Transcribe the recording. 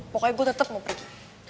pokoknya gue tetap mau pergi